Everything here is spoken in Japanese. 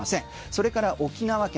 それから沖縄県